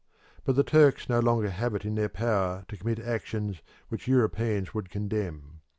But the Turks no longer have it in their power to commit actions which Europeans would condemn.